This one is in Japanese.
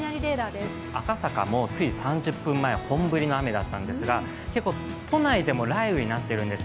赤坂もつい３０分前、本降りの雨があったんですが、都内でも雷雨になっています。